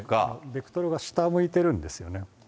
ベクトルが下向いてるんですよね。